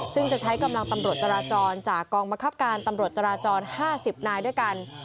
ซึ่งจะใช้กำลังตำรวจจราจรจากกองบังคับการตำรวจจราจร๕๐นายด้วยกัน